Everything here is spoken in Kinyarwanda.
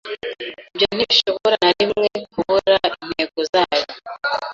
Ibyo ntibishobora na rimwe kubura intego zayo